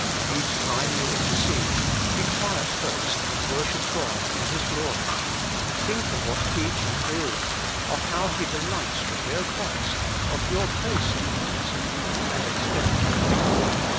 Each time you intercede, be quiet first and worship God in His glory. Think of what He can do, of how He delights to hear Chriat, of your place in Christ, and expect great things.